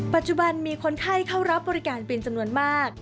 ปัจจุบันมีคนไข้เข้ารับบริการเป็นจำนวนมาก